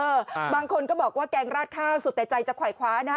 บางคนก็บอกว่าแกงราดข้าวสุดแต่ใจจะขวายคว้านะฮะ